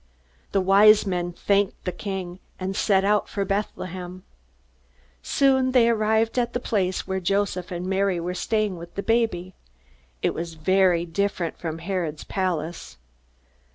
The Wise Men thanked the king, and set out for Bethlehem. Soon they arrived at the place where Joseph and Mary were staying with the baby. It was very different from Herod's palace.